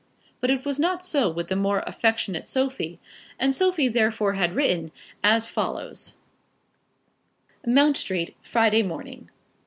But it was not so with the more affectionate Sophie; and Sophie therefore had written, as follows: Mount Street Friday morning.